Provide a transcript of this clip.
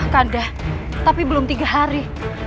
kadah tapi belum tiga hari